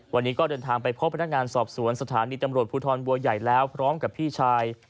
วันนี้ก็เดินทางไปพบพนักงานสอบสวนสถานีตำรวจภูทรบัวใหญ่แล้วพร้อมกับพี่ชาย